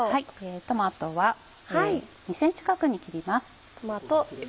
トマトは２ｃｍ角に切ります。